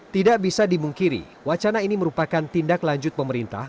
tidak bisa dimungkiri wacana ini merupakan tindak lanjut pemerintah